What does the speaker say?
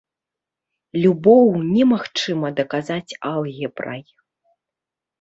Любоў немагчыма даказаць алгебрай.